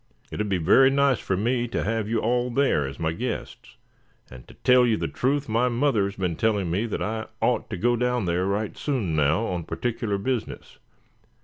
It would be very nice for me to have you all there as my guests; and to tell you the truth, my mother has been telling me that I ought to go down there right soon now on particular business.